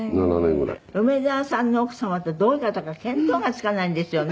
梅沢さんの奥様ってどういう方か見当がつかないんですよね。